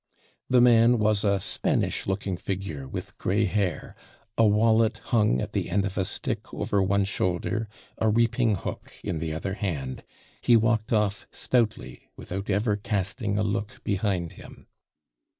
The man was a Spanish looking figure, with gray hair; a wallet hung at the end of a stick over one shoulder, a reaping hook in the other hand; he walked off stoutly, without ever casting a look behind him.